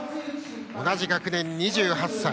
同じ学年で２８歳。